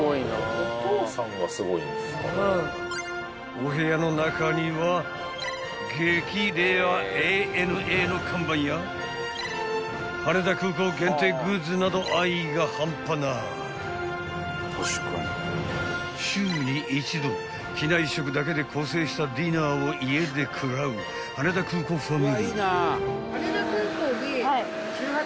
［お部屋の中には激レアＡＮＡの看板や羽田空港限定グッズなど愛が半端ない］［週に一度機内食だけで構成したディナーを家で食らう羽田空港ファミリー］